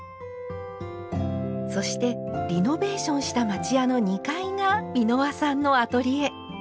そしてリノベーションした町家の２階が美濃羽さんのアトリエ。